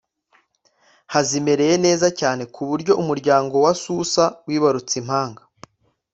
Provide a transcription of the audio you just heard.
Hazimereye neza cyane kuburyo Umuryango wa susa wibarutse Impanga.